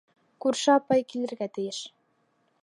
Күрше апай килергә тейеш.